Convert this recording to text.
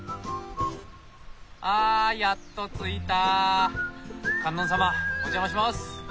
あやっと着いた観音様お邪魔します！